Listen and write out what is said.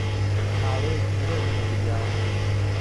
ماوەیەکی درێژە نەگریاوم.